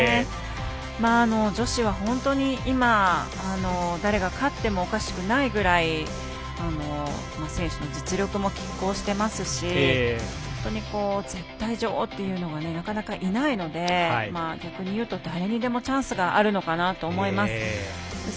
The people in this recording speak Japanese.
女子は本当に今、誰が勝ってもおかしくないくらい選手の実力もきっ抗してますし絶対女王というのがなかなかいないので逆に言うと誰にでもチャンスがあるのかなと思います。